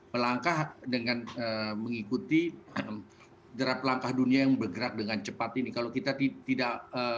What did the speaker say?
melangkah dengan mengikuti jerap langkah dunia yang bergerak dengan cepat ini kalau kita tidak